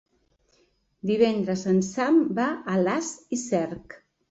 Divendres en Sam va a Alàs i Cerc.